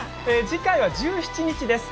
次回は１７日です。